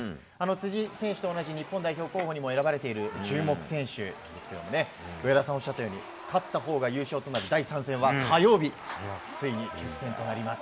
辻選手と同じ日本代表候補にも選ばれている注目選手ですけども上田さんがおっしゃったように勝ったほうが優勝となる第３戦は火曜日、ついに決戦となります。